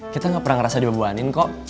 kita gak pernah ngerasa dibebanin kok